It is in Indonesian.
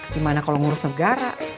gimana kalau ngurus negara